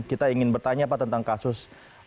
kita ingin bertanya pak tentang kasus